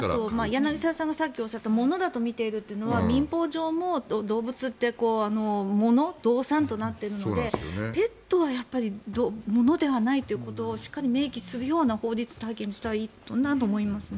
柳澤さんがさっきおっしゃったものだと見ているっていうのは民法上も動物ってもの、動産となっているのでペットはものではないということをしっかり明記する法律体系にしたらいいなと思います。